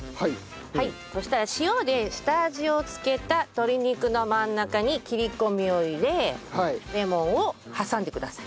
そうしたら塩で下味を付けた鶏肉の真ん中に切り込みを入れレモンを挟んでください。